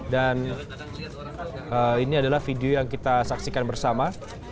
dan ini adalah video yang kita saksikan bersama